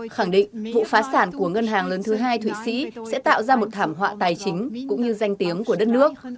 khẳng định vụ phá sản của ngân hàng lớn thứ hai thụy sĩ sẽ tạo ra một thảm họa tài chính cũng như danh tiếng của đất nước